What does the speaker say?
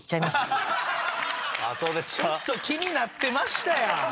ちょっと気になってましたやん！